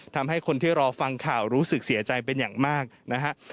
ทำให้คนที่รอฟังข่าวรู้สึกเสียใจเป็นอย่างมากนะฮะ